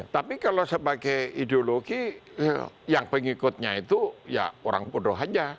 tapi kalau sebagai ideologi yang pengikutnya itu ya orang bodoh saja